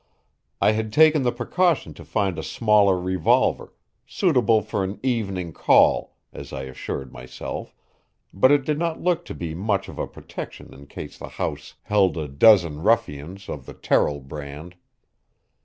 I had taken the precaution to find a smaller revolver, "suitable for an evening call," as I assured myself, but it did not look to be much of a protection in case the house held a dozen ruffians of the Terrill brand.